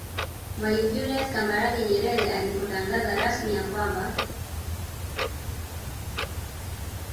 Mwalimu Julius Kambarage Nyerere alipotangaza rasmi ya kwamba